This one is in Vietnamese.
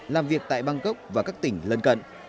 làm việc tại bangkok và các tỉnh lân cận